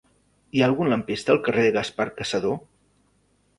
Hi ha algun lampista al carrer de Gaspar Cassadó?